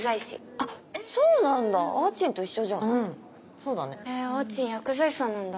あーちん薬剤師さんなんだ。